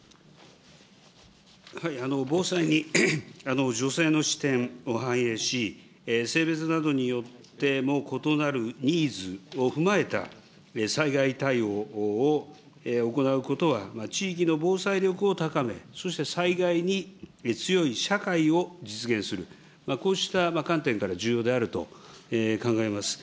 防災に女性の視点を反映し、性別などによっても異なるニーズを踏まえた災害対応を行うことは、地域の防災力を高め、そして災害に強い社会を実現する、こうした観点から重要であると考えます。